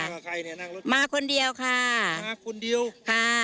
กับใครเนี่ยนั่งรถมาคนเดียวค่ะมาคนเดียวค่ะ